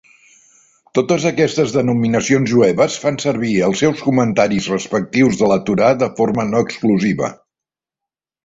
Totes aquestes denominacions jueves fan servir els seus comentaris respectius de la Torà de forma no exclusiva.